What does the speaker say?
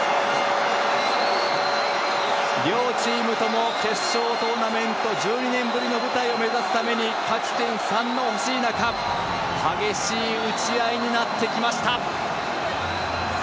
両チームとも決勝トーナメント１２年ぶりの舞台を目指すために勝ち点３の欲しい中激しい打ち合いになってきました。